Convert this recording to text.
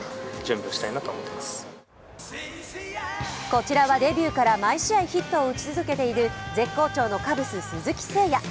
こちらはデビューから毎試合ヒットを打ち続けている絶好調のカブス・鈴木誠也。